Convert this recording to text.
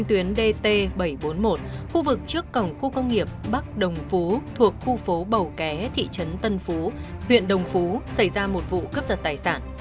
trước cổng khu công nghiệp bắc đồng phú thuộc khu phố bầu ké thị trấn tân phú huyện đồng phú xảy ra một vụ cấp giật tài sản